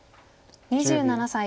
２７歳。